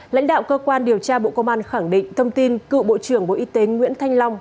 lãnh đạo cơ quan điều tra bộ công an khẳng định thông tin cựu bộ trưởng bộ y tế nguyễn thanh long